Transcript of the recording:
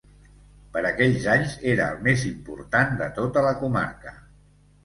Per aquells anys era el més important de tota la comarca.